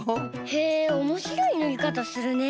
へえおもしろいぬりかたするね。